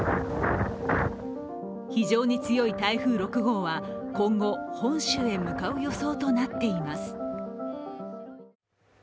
非常に強い台風６号は今後、本州へ向かう予想となっています。